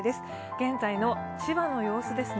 現在の千葉の様子ですね。